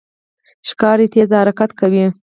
ښکاري تېز حرکت کوي.